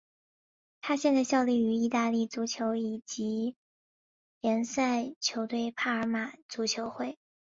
他现在效力于意大利足球乙级联赛球队帕尔马足球会。